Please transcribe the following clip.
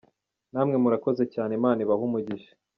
Namwe murakoze cyane Imana ibahe Umugisha.